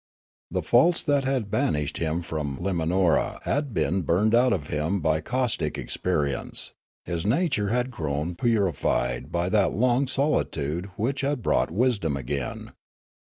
The faults that had banished him from lyimanora had been burned out of him by caustic expe rience ; his nature had grown purified by that long solitude which had brought wisdom again.